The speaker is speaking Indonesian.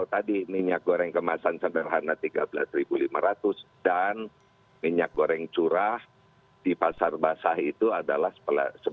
tadi minyak goreng kemasan sederhana rp tiga belas lima ratus dan minyak goreng curah di pasar basah itu adalah sebelas